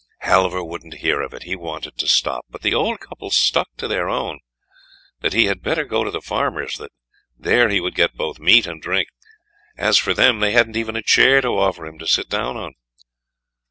Halvor wouldn't hear of it he wanted to stop; but the old couple stuck to their own, that he had better go to the farmer's; there he would get both meat and drink; as for them, they hadn't even a chair to offer him to sit down on.